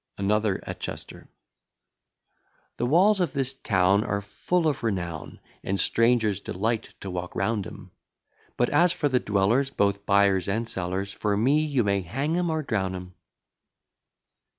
ANOTHER, AT CHESTER The walls of this town Are full of renown, And strangers delight to walk round 'em: But as for the dwellers, Both buyers and sellers, For me, you may hang 'em, or drown 'em.